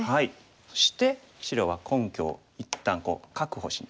そして白は根拠を一旦確保しに。